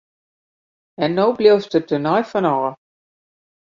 En no bliuwst der tenei fan ôf!